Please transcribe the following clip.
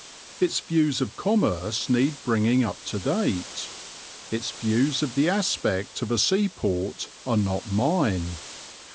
Its views of commerce need bringing up to date; its views of the aspect of a seaport are not mine.